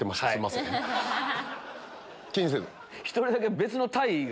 気にせず。